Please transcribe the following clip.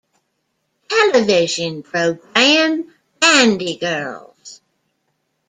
Television program "Candy Girls".